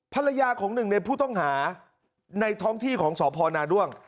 ภรรยาของหนึ่งในผู้ต้องหาในท้องที่ของสพนาด้วง